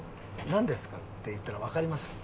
なんですか？って言ったらわかります？